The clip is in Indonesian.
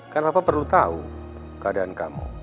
kan papa perlu tau keadaan kamu